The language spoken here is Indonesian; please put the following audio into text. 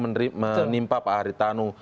menimpa pak haritanu